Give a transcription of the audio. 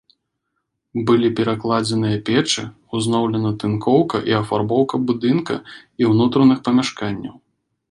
Былі перакладзеныя печы, узноўлена тынкоўка і афарбоўка будынка і ўнутраных памяшканняў.